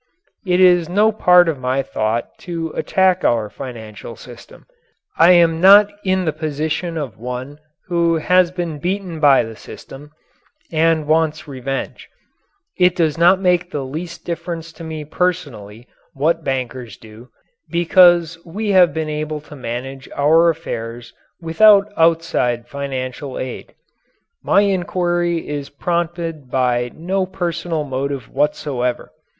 It is no part of my thought to attack our financial system. I am not in the position of one who has been beaten by the system and wants revenge. It does not make the least difference to me personally what bankers do because we have been able to manage our affairs without outside financial aid. My inquiry is prompted by no personal motive whatsoever.